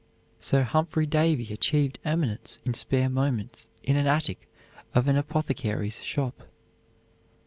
Sir Humphry Davy achieved eminence in spare moments in an attic of an apothecary's shop.